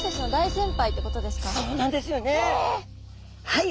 はい。